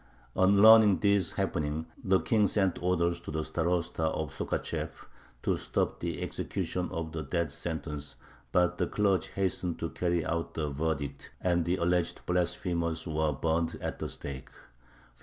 On learning of these happenings, the King sent orders to the Starosta of Sokhachev to stop the execution of the death sentence, but the clergy hastened to carry out the verdict, and the alleged blasphemers were burned at the stake (1556).